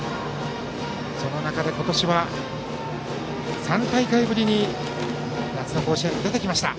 その中で、今年は３大会ぶりに夏の甲子園に出てきました。